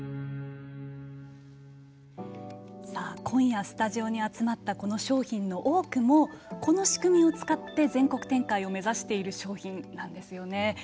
今夜スタジオに集まったこの商品の多くもこの仕組みを使って全国展開を目指している商品なんですよね。